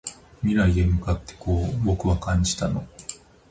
未来へ向かってこう僕は感じたの